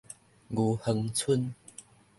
御園村